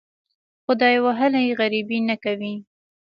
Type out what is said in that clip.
خدای وهلي غریبي نه کوي.